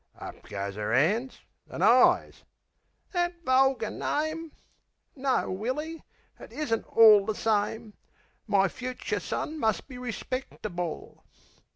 Up goes 'er 'ands an' eyes, "That vulgar name!" No, Willy, but it isn't all the same, My fucher son must be respectable."